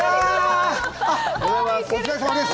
お疲れさまです。